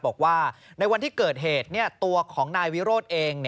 บอกว่าในวันที่เกิดเหตุตัวของนายวิโรธเอง